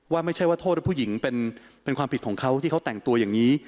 ว่าไม่ใช่ว่าโทษว่าผู้หญิงเป็นความผิดของเขาที่เขาแต่งตัวอย่างนี้